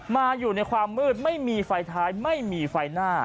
มาอยู่ในความมืดไม่มีไฟท้ายไม่มีไฟหน้า